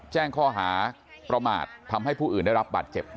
แจ้งข้อหาประมาททำให้ผู้อื่นได้รับบาดเจ็บ